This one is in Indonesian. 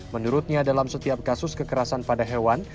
menurutnya dalam setiap kasus kekerasan pada hewan